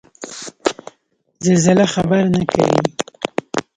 زلزله خبر نه کوي